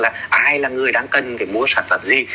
ai là người đang cần mua sản phẩm gì